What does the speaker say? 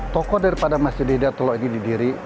toko daripada masjid hidayatullah ini didiri